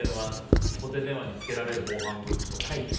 固定電話につけられる防犯グッズとか。